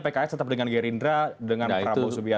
pks tetap dengan gerindra dengan prabowo subianto